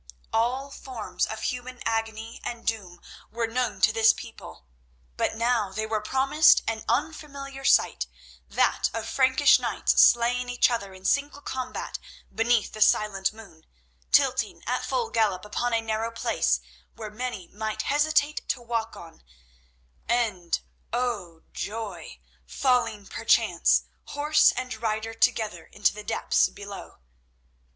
All forms of human agony and doom were known to this people; but now they were promised an unfamiliar sight, that of Frankish knights slaying each other in single combat beneath the silent moon, tilting at full gallop upon a narrow place where many might hesitate to walk, and—oh, joy!—falling perchance, horse and rider together, into the depths below.